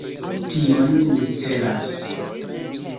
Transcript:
Tion mi celas.